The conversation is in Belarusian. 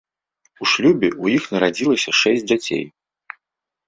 У шлюбе ў іх нарадзілася шэсць дзяцей.